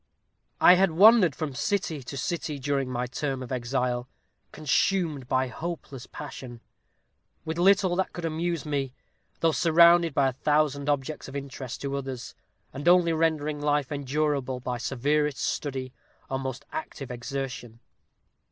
"I had wandered from city to city during my term of exile consumed by hopeless passion with little that could amuse me, though surrounded by a thousand objects of interest to others, and only rendering life endurable by severest study or most active exertion.